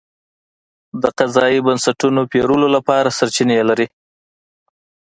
د قضایي بنسټونو پېرلو لپاره سرچینې لري.